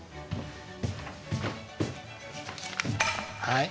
はい。